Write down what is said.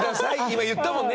今言ったもんね